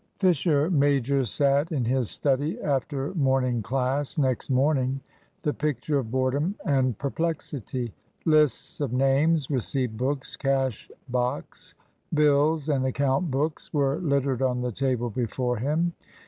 Fisher major sat in his study after morning class, next morning, the picture of boredom and perplexity. Lists of names, receipt books, cash box, bills, and account books were littered on the table before him.